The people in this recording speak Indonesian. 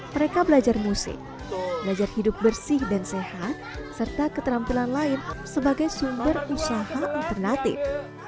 mereka belajar musik belajar hidup bersih dan sehat serta keterampilan lain sebagai sumber usaha alternatif